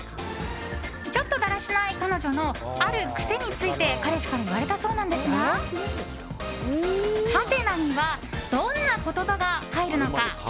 ちょっとだらしない彼女のある癖について彼氏から言われたそうなのですがはてなにはどんな言葉が入るのか？